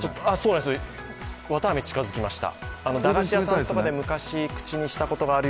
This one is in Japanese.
綿あめ、近づきました。